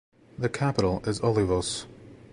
The capital is Olivos.